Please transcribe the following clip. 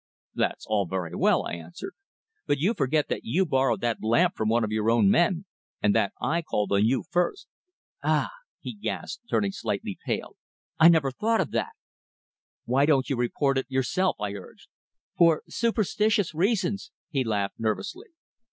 "That's all very well," I answered. "But you forget that you borrowed that lamp from one of your own men, and that I called on you first." "Ah!" he gasped; turning slightly pale. "I never thought of that!" "Why don't you report it yourself?" I urged. "For superstitious reasons," he laughed nervously.